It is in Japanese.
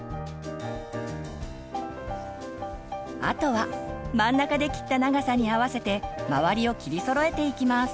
あとは真ん中で切った長さに合わせて周りを切りそろえていきます。